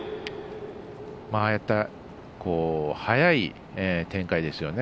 ああいった早い展開ですよね